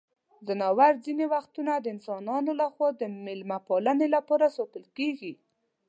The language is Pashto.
ځناور ځینې وختونه د انسانانو لخوا د مېلمه پالنې لپاره ساتل کیږي.